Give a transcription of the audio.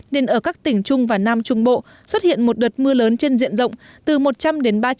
nên ở các tỉnh trung và nam trung bộ xuất hiện một đợt mưa lớn trên diện rộng từ một trăm linh đến ba trăm linh